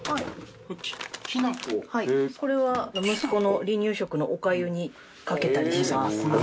これは息子の離乳食のおかゆにかけたりします。